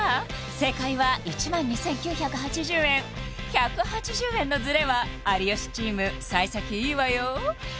正解は１万２９８０円１８０円のズレは有吉チーム幸先いいわよ